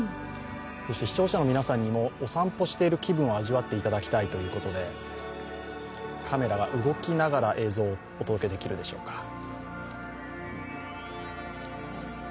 そして視聴者の皆さんにもお散歩している気分を味わっていただきたいということでカメラが動きながら映像をお届けできるでしょうか。